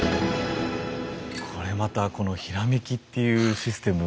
これまたこの閃きっていうシステム